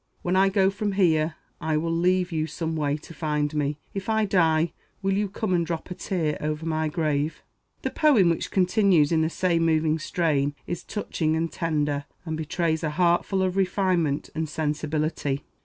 When I go from here, I will leave you some way to find me. If I die, will you come and drop a tear over my grave?" The poem, which continues in the same moving strain, is touching and tender, and betrays a heart full of refinement and sensibility.